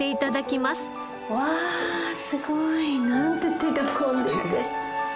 わあすごい！なんて手が込んでて。